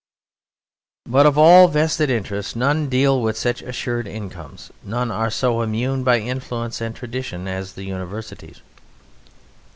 But of all vested interests none deal with such assured incomes, none are so immune by influence and tradition as the Universities.